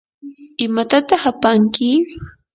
¿imatataq apanki?